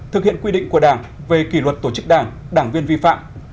thực hiện quy định của đảng về kỷ luật tổ chức đảng đảng viên vi phạm